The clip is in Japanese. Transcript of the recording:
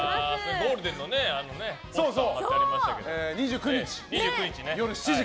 ゴールデンのポスター貼ってありましたけど。